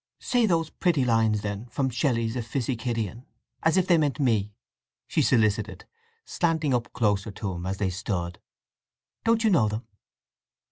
"Say those pretty lines, then, from Shelley's 'Epipsychidion' as if they meant me!" she solicited, slanting up closer to him as they stood. "Don't you know them?"